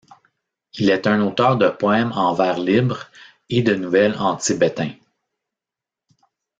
Il est un auteur de poèmes en vers libres et de nouvelles en tibétain.